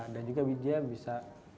dan juga dia bisa